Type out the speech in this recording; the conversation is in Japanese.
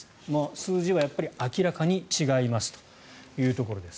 数字はやっぱり明らかに違いますというところです。